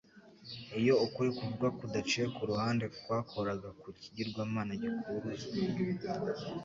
Iyo ukuri kuvugwa kudaciwe ku ruhande kwakoraga ku kigirwamana gikuruzwe,